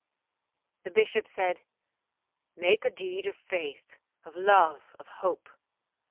The Bishop then said, 'Make a deed of faith, of love, of hope.'